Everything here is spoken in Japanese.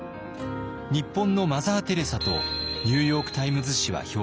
「日本のマザー・テレサ」とニューヨーク・タイムズ紙は評価しました。